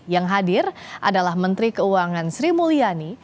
yang hadir adalah menteri keuangan sri mulyani